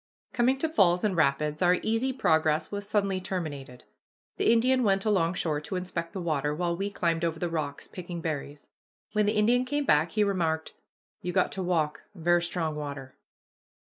Coming to falls and rapids, our easy progress was suddenly terminated. The Indian went alongshore to inspect the water, while we climbed over the rocks, picking berries. When the Indian came back, he remarked, "You got to walk; ver' strong water."